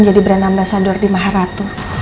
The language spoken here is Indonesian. brand ambasador di maharatu